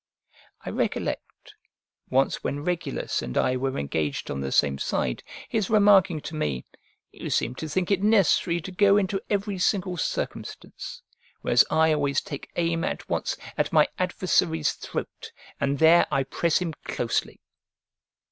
I recollect, once when Regulus and I were engaged on the same side, his remarking to me, "You seem to think it necessary to go into every single circumstance: whereas I always take aim at once at my adversary's throat, and there I press him closely."